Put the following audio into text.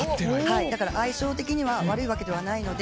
だから相性的には悪いわけではないので。